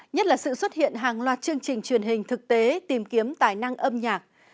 nhất là sự xuất hiện hàng loạt chương trình truyền hình thực tế tìm kiếm tài năng âm nhạc